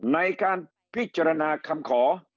ในการพิจารณาคำขอ